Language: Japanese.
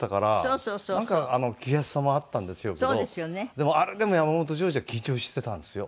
でもあれでも山本譲二は緊張してたんですよ。